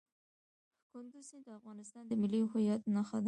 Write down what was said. کندز سیند د افغانستان د ملي هویت نښه ده.